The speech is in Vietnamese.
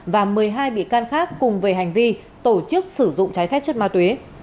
và một mươi hai bị can khác cùng về hành vi tổ chức sử dụng trái phép chất ma túy